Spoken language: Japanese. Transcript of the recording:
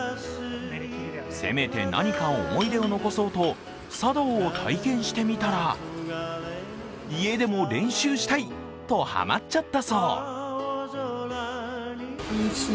せめて何か思い出を残そうと、茶道を体験してみたら家でも練習したい！とハマっちゃったそう。